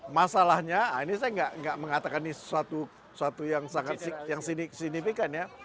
masalahnya ini saya tidak mengatakan ini suatu yang sangat signifikan ya